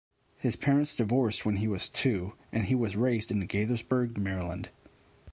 His parents divorced when he was two, and he was raised in Gaithersburg, Maryland.